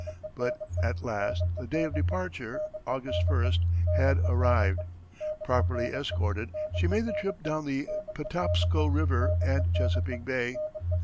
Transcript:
But at last the day of departure, August 1, had arrived. Properly escorted she made the trip down the Patapsco River and Chesapeake Bay.